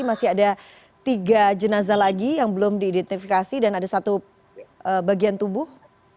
masih ada tiga jenazah lagi yang belum diidentifikasi dan ada satu bagian tubuh